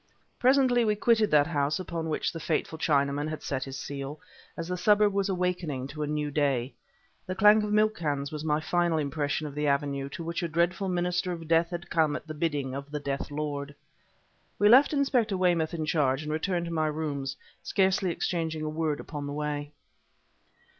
Presently we quitted that house upon which the fateful Chinaman had set his seal, as the suburb was awakening to a new day. The clank of milk cans was my final impression of the avenue to which a dreadful minister of death had come at the bidding of the death lord. We left Inspector Weymouth in charge and returned to my rooms, scarcely exchanging a word upon the way.